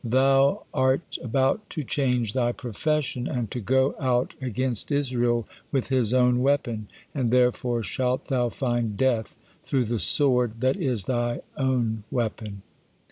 Thou are about to change thy profession, and to go out against Israel with his own weapon, and therefore shalt thou find death through the sword that is thy own weapon."